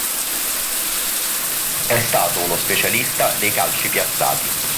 È stato uno specialista dei calci piazzati.